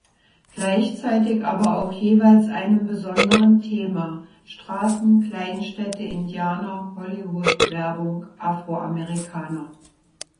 Gleichzeitig aber auch jeweils einem besonderen Thema: Straßen, Kleinstädte, Indianer, Hollywood, Werbung, Afroamerikaner.